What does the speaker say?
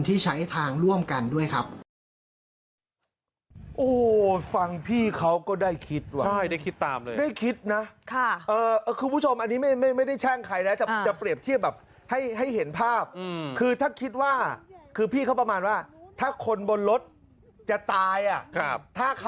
ที่ใช้ทางร่วมกันด้วยครับ